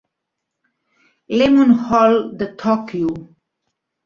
Lemon Hall de Tòquio.